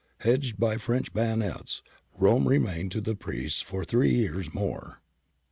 Hedged by French bayonets, Rome remained to the priests for three years more.